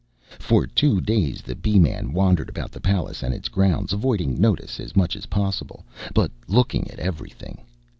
For two days the Bee man wandered about the palace and its grounds, avoiding notice as much as possible, but looking at every thing.